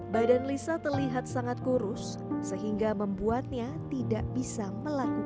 badan lisa terlihat sangat kurus sehingga membuatnya tidak bisa melakukan